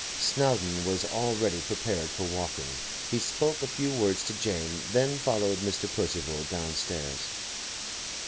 Snowdon was already prepared for walking. He spoke a few words to Jane, then followed Mr. Percival downstairs.